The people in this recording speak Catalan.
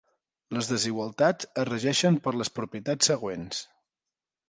Les desigualtats es regeixen per les propietats següents.